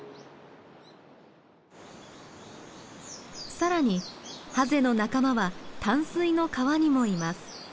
更にハゼの仲間は淡水の川にもいます。